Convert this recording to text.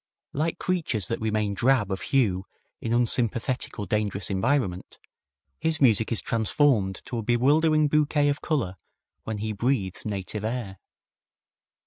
Like creatures that remain drab of hue in unsympathetic or dangerous environment, his music is transformed to a bewildering bouquet of color when he breathes native air.